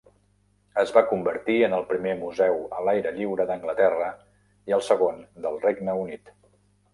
Es va convertir en el primer museu a l'aire lliure d'Anglaterra i el segon del Regne Unit.